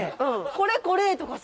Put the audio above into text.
「これこれ！」とかさ。